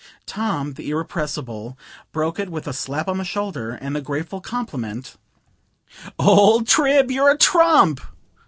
Tom, the irrepressible, broke it with a slap on the shoulder and the graceful compliment "Old Trib, you're a trump!"